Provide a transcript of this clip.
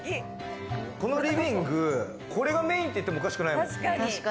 このリビング、これがメインって言ってもおかしくないもん。